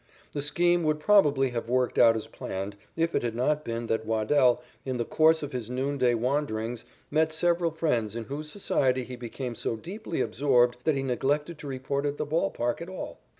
The scheme would probably have worked out as planned, if it had not been that Waddell, in the course of his noon day wanderings, met several friends in whose society he became so deeply absorbed that he neglected to report at the ball park at all.